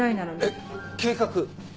えっ計画？